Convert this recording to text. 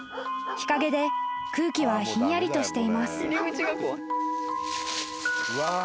［日陰で空気はひんやりとしています］